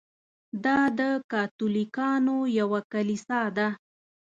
دا د کاتولیکانو یوه کلیسا ده.